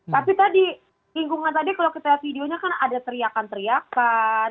tapi tadi lingkungan tadi kalau kita lihat videonya kan ada teriakan teriakan